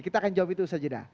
kita akan jawab itu saja dah